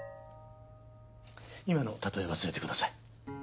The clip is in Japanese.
今のたとえは忘れてください。